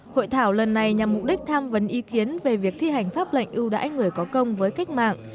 hội thảo lần này nhằm mục đích tham vấn ý kiến về việc thi hành pháp lệnh ưu đãi người có công với cách mạng